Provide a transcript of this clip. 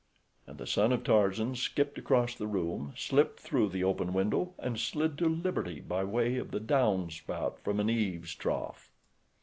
And the son of Tarzan skipped across the room, slipped through the open window, and slid to liberty by way of the down spout from an eaves trough.